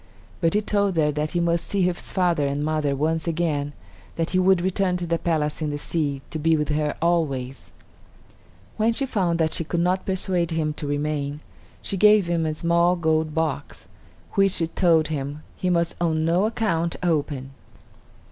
But he told her that he must see his father and mother once again; then he would return to the palace in the sea, to be with her always. When she found that she could not persuade him to remain, she gave him a small gold box, which, she told him, he must on no account open.